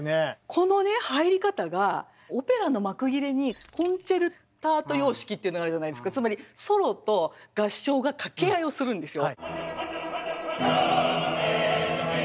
このね入り方がオペラの幕切れにコンチェルタート様式っていうのがあるじゃないですかつまりソロと合唱が掛け合いをするんですよ。